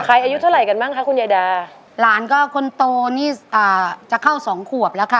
อายุเท่าไหร่กันบ้างคะคุณยายดาหลานก็คนโตนี่อ่าจะเข้าสองขวบแล้วค่ะ